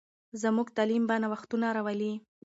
زموږ تعلیم به نوښتونه راولي.